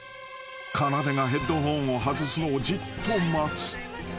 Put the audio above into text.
［かなでがヘッドホンを外すのをじっと待つ］